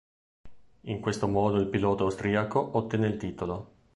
In questo modo il pilota austriaco ottenne il titolo.